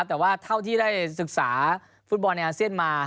แต่ว่าเท่าที่ได้ศึกษาฟุตบอลในอาเซียนมา